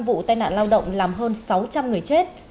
bảy sáu trăm linh vụ tai nạn lao động làm hơn sáu trăm linh người chết